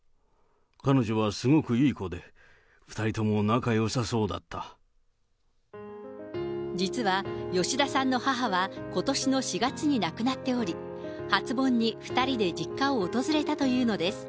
彼女はすごくいい子で、実は吉田さんの母は、ことしの４月に亡くなっており、初盆に２人で実家を訪れたというのです。